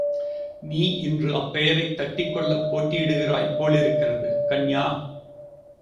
இன்று நீ அப்பெயரைத் தட்டிக்கொள்ளப் போட்டியிடுகிறாய் போலிருக்கிறது!... கன்யா!